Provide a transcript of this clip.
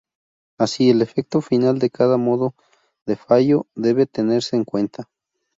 Así, el efecto final de cada modo de fallo debe tenerse en cuenta.